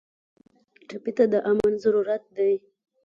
ټپي ته د امن ضرورت دی.